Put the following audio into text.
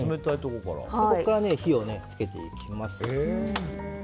ここから火を付けていきます。